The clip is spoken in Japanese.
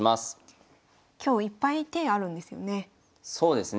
今日いっぱい手あるんですよね。